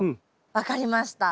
分かりました。